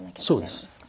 そうです。